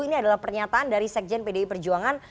ini adalah pernyataan dari sekjen pdi perjuangan